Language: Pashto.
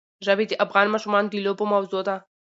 ژبې د افغان ماشومانو د لوبو موضوع ده.